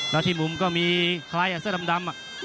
แล้วที่มุมก็มีใครเสื้อดำ